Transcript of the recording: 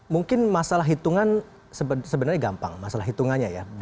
mungkin masalah hitungan sebenarnya gampang masalah hitungannya ya